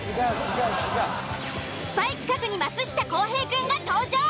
スパイ企画に松下洸平くんが登場。